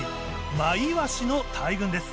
マイワシの大群です。